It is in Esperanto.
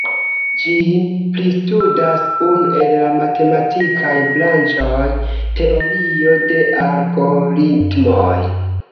Ĝin pristudas unu el la matematikaj branĉoj: Teorio de Algoritmoj.